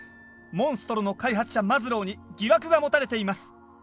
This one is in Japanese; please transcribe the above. モンストロの開発者マズローに疑惑が持たれています。